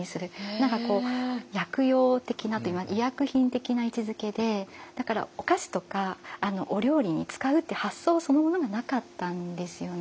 何か薬用的な医薬品的な位置づけでだからお菓子とかお料理に使うっていう発想そのものがなかったんですよね。